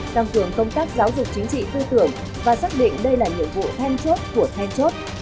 tăng cường công tác giáo dục chính trị tư tưởng và xác định đây là nhiệm vụ then chốt của then chốt